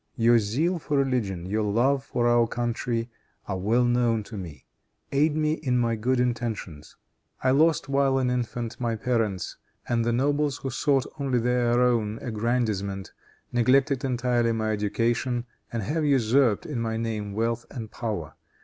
Your zeal for religion, your love for our country are well known to me; aid me in my good intentions. I lost, while an infant, my parents, and the nobles, who sought only their own aggrandizement, neglected entirely my education, and have usurped, in my name, wealth and power.